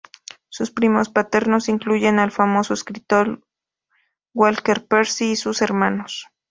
Sus primos paternos incluyen al famoso escritor Walker Percy y sus hermanos.